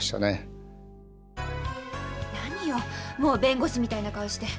何よもう弁護士みたいな顔して。